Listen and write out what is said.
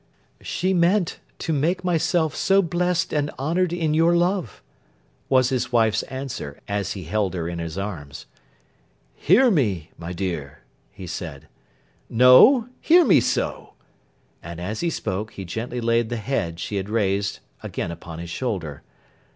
'She meant, to make myself so blest and honoured in your love,' was his wife's answer, as he held her in his arms. 'Hear me, my dear!' he said.—'No. Hear me so!'—and as he spoke, he gently laid the head she had raised, again upon his shoulder.